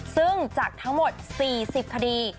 ซึ่งจากทั้งหมด๔๐คดี